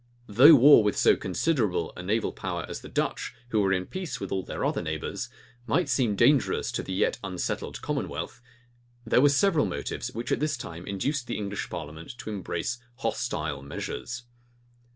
Though war with so considerable a naval power as the Dutch, who were in peace with all their other neighbors, might seem dangerous to the yet unsettled commonwealth, there were several motives which at this time induced the English parliament to embrace hostile measures.